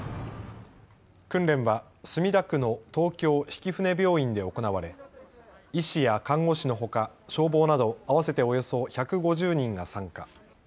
訓練は墨田区の東京曳舟病院で行われ医師や看護師のほか消防など合わせておよそ１５０人が参加。